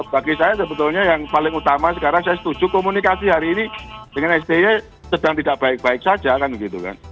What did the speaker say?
bagi saya sebetulnya yang paling utama sekarang saya setuju komunikasi hari ini dengan sti sedang tidak baik baik saja kan gitu kan